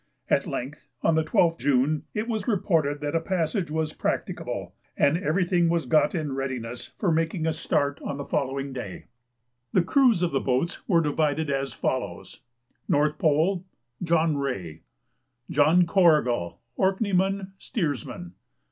At length, on the 12th June, it was reported that a passage was practicable, and everything was got in readiness for making a start on the following day. The crews of the boats were divided as follows: NORTH POLE. John Rae. John Corrigal, Orkneyman, Steersman.